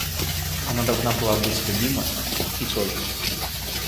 Она должна была быть любима и только.